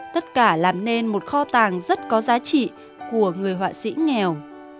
tất cả làm nên một kho tàng rất có giá trị của người họa sĩ nghèo